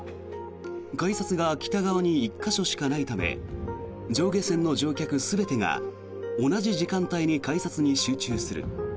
改札が北側に１か所しかないため上下線の乗客全てが同じ時間帯に改札に集中する。